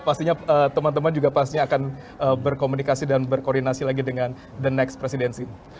pastinya teman teman juga pasti akan berkomunikasi dan berkoordinasi lagi dengan the next presidensi